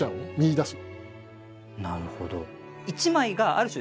なるほど。